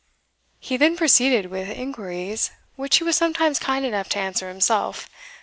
He then proceeded with inquiries, which he was sometimes kind enough to answer himself.